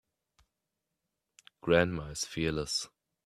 Grandma is fearless.